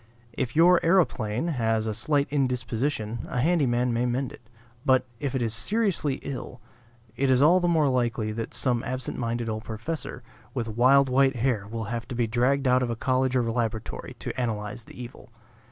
If your aeroplane has a slight indisposition, a handy man may mend it. But, if it is seriously ill, it is all the more likely that some absent minded old professor with wild white hair will have to be dragged out of a college or laboratory to analyze the evil.